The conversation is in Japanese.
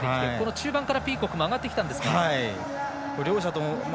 中盤からピーコックも上がってきたんですが。